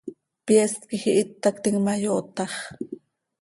Pyeest quij ihít tactim ma, yootax.